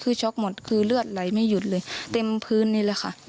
คือช็อกหมดคือเลือดไหลไม่หยุดเลยเต็มพื้นนี่แหละค่ะ